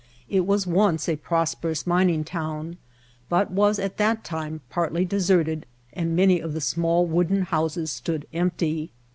It was once a prosperous mining town, but was at that time partly deserted and many of the small wooden houses stood empty.